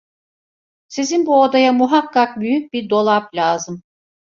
Sizin bu odaya muhakkak büyük bir dolap lazım…